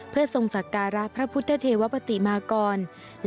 เพื่อทรงสักการะพระพุทธเทวปฏิมากร